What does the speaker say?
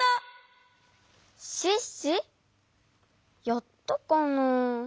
やったかな？